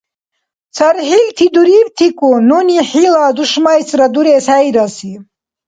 – ЦархӀилти дурибтикӀун нуни хӀила душмайсра дурес хӀейраси.